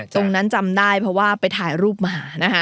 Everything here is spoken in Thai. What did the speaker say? ตรงนั้นจำได้เพราะว่าไปถ่ายรูปมา